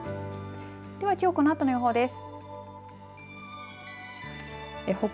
ではきょうこのあとの予報です。